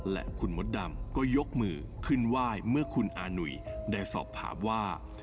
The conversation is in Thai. และคุณมดดำก็ยกมือขึ้นไหว้เมื่อคุณอาหุยได้สอบถามว่า